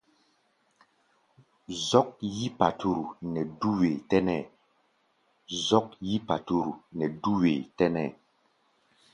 Zɔ́k yí paturu nɛ dú wee tɛ́nɛ́.